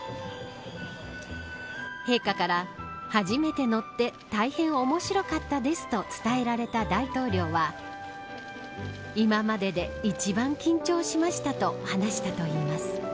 陛下から、初めて乗って大変面白かったですと伝えられた大統領は今までで一番緊張しましたと話したといいます。